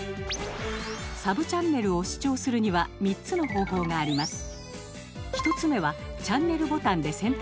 サブチャンネルを視聴するには３つの方法があります。